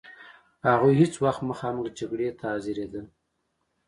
هغوی هیڅ وخت مخامخ جګړې ته حاضرېدل.